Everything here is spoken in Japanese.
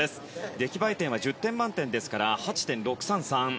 出来栄え点は１０点満点ですから８．６３３。